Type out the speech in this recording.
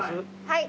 はい。